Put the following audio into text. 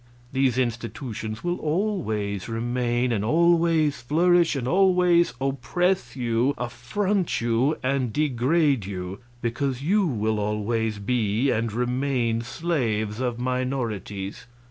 These institutions will always remain, and always flourish, and always oppress you, affront you, and degrade you, because you will always be and remain slaves of minorities.